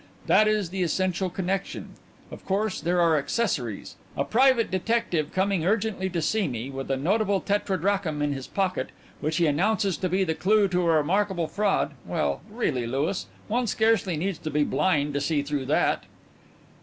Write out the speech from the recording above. That is the essential connexion. Of course, there are accessories. A private detective coming urgently to see me with a notable tetradrachm in his pocket, which he announces to be the clue to a remarkable fraud well, really, Louis, one scarcely needs to be blind to see through that."